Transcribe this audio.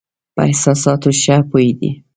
په احساساتو ښه پوهېدی.